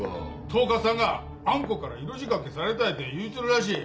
統括さんがあん子から色仕掛けされたって言うちょるらしい。